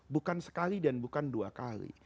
bukan sekali dan bukan dua kali